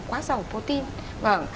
quá giàu protein